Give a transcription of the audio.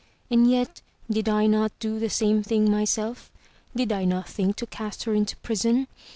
And yet did I not do the same thing myself? Did I not think to cast her into prison?